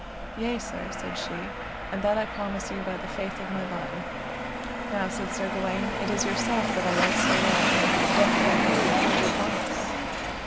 Yea, sir, said she, and that I promise you by the faith of my body. Now, said Sir Gawaine, it is yourself that I love so well, therefore I pray you hold your promise.